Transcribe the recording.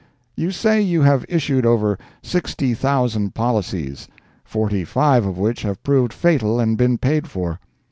You say you have issued over sixty thousand policies, "forty five of which have proved fatal and been paid for."